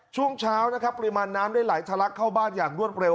ช่วงเช้านะครับปริมาณน้ำได้ไหลทะลักเข้าบ้านอย่างรวดเร็ว